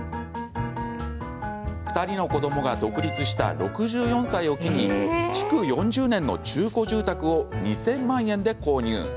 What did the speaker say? ２人の子どもが独立した６４歳を機に築４０年の中古住宅を２０００万円で購入。